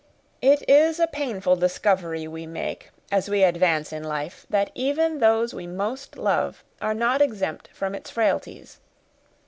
It is a painful discovery we make, as we advance in life, that even those we most love are not exempt from its frailties.